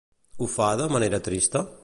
Ho fa de manera trista?